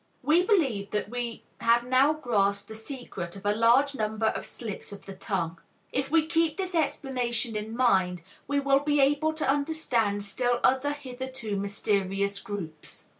We believe that we have now grasped the secret of a large number of slips of the tongue. If we keep this explanation in mind we will be able to understand still other hitherto mysterious groups.